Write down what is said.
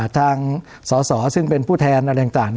ทางสสซึ่งเป็นผู้แทนอะไรต่าง